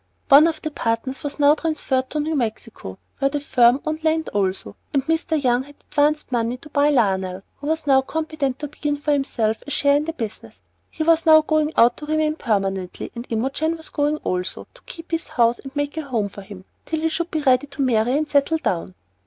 One of the partners was now transferred to New Mexico, where the firm owned land also, and Mr. Young had advanced money to buy Lionel, who was now competent to begin for himself, a share in the business. He was now going out to remain permanently, and Imogen was going also, to keep his house and make a home for him till he should be ready to marry and settle down.